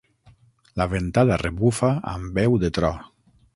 La ventada rebufa amb veu de tro.